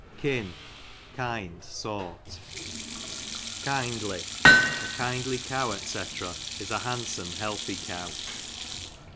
Kin, kind sort. Kindly, a kindly ^w^ S(c. is a handsome^ healthy cow.